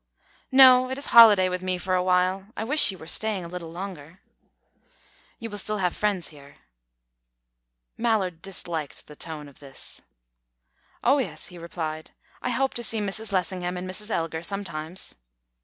"No; it is holiday with me for a while. I wish you were staying a little longer." "You will still have friends here." Mallard disliked the tone of this. "Oh yes," he replied. "I hope to see Mrs. Lessingham and Mrs. Elgar sometimes."